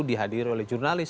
dihadiri oleh jurnalis